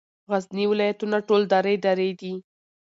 غرني ولایتونه ټول درې درې دي.